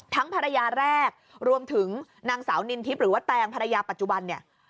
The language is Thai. ภรรยาแรกรวมถึงนางสาวนินทิพย์หรือว่าแตงภรรยาปัจจุบันเนี่ย